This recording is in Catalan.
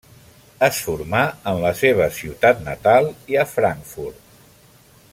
Es formà en la seva ciutat natal i a Frankfurt.